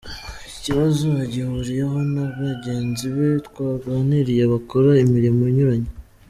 Iki kibazo agihuriyeho na bagenzi be twaganiriye bakora imirimo inyuranye.